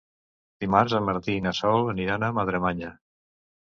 Dimarts en Martí i na Sol aniran a Madremanya.